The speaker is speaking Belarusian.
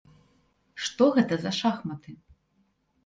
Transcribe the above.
Што гэта за шахматы?